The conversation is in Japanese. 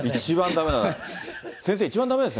一番だめなやつ。